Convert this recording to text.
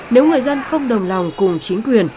nếu người dân không đồng lòng cùng chính quyền